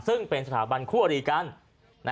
ซึ่งเป็นสถาบันคู่อริกัน